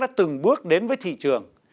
đã từng bước đến với thị trường